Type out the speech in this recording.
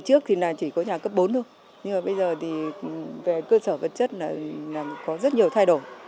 trước thì chỉ có nhà cấp bốn thôi nhưng bây giờ về cơ sở vật chất có rất nhiều thay đổi